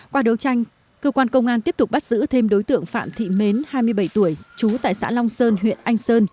qua đấu tranh cơ quan công an tiếp tục bắt giữ thêm đối tượng phạm thị mến hai mươi bảy tuổi trú tại xã long sơn huyện anh sơn